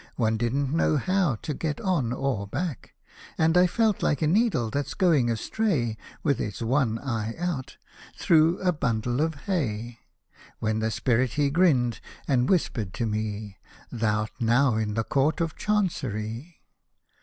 One didn't know how to get on or back ; And I felt Hke a needle that's going astray (With its one eye out) through a bundle of hay ; When the Spirit he grinned, and whispered me, " Thou'rt now in the Court of Chancery